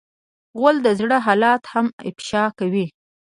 غول د زړه حالت هم افشا کوي.